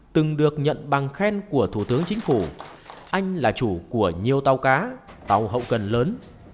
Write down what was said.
từng được nhận bằng khen của thủ tướng chính phủ anh là chủ của nhiều tàu cá tàu hậu cần lớn